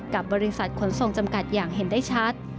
กับบริษัทขนส่งจำกัดอย่างเห็นได้ชัด